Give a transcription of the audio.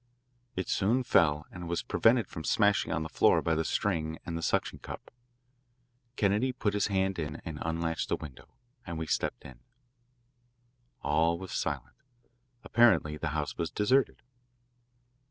It soon fell and was prevented from smashing on the floor by the string and the suction cup. Kennedy put his hand in and unlatched the window, and we stepped in. All was silent. Apparently the house was deserted.